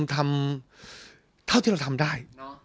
ทำเท่าที่เราทำได้